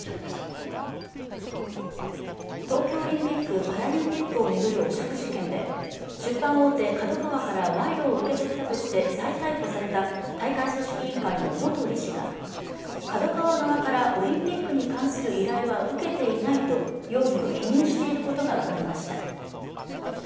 中継でした東京オリンピック・パラリンピックを巡る汚職事件で出版大手ＫＡＤＯＫＡＷＡから賄賂を受け取ったとして再逮捕された大会組織委員会の元理事がＫＡＤＯＫＡＷＡ側からオリンピックに関する依頼は受けていないと容疑を否認していることが分かりました